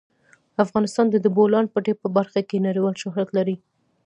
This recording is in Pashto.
افغانستان د د بولان پټي په برخه کې نړیوال شهرت لري.